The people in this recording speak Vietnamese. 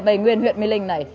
bây nguyên huyện mê linh này